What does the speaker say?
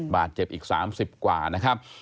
บาดเจ็บอีก๓๐กว่านะครับ